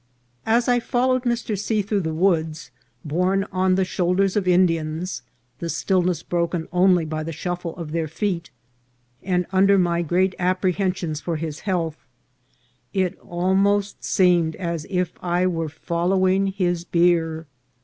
As I followed Mr. C. through the woods, borne on the shoulders of Indians, the stillness broken only by the shuffle of their feet, and under my great apprehensions for his health, it almost seemed as if I were following his bier.